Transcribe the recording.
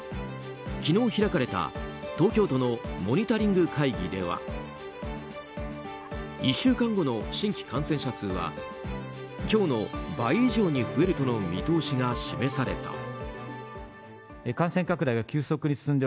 昨日開かれた東京都のモニタリング会議では１週間後の新規感染者数は今日の倍以上に増えるとの見通しが示された。